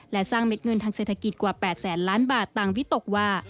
และสร้างเม็ดเงินทางเศรษฐกิจกว่า๘แสนล้านบาทต่างวิตกว่า